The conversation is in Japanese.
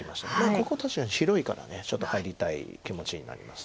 ここ確かに広いからちょっと入りたい気持ちになります。